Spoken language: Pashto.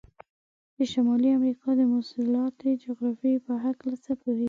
د شمالي امریکا د مواصلاتي جغرافیې په هلکه څه پوهیږئ؟